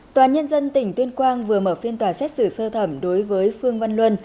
tòa nhân dân tỉnh tuyên quang vừa mở phiên tòa xét xử sơ thẩm đối với phương văn luân